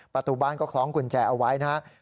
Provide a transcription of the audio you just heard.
ประตูบ้านก็คล้องกุญแจเอาไว้นะครับ